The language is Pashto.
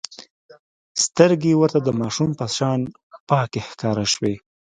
سترګې يې ورته د ماشوم په شان پاکې ښکاره شوې.